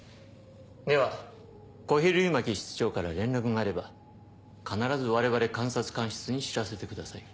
では小比類巻室長から連絡があれば必ず我々監察官室に知らせてください。